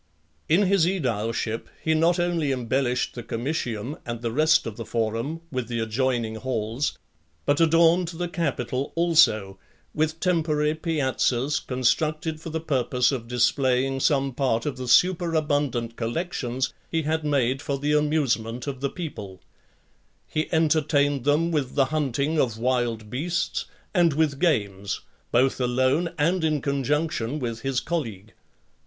X. In his aedileship, he not only embellished the Comitium, and the rest of the Forum , with the adjoining halls , but adorned the Capitol also, with temporary piazzas, constructed for the purpose of displaying some part of the superabundant collections (8) he had made for the amusement of the people . He entertained them with the hunting of wild beasts, and with games, both alone and in conjunction with his colleague.